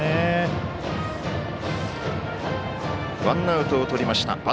ワンアウトをとりました。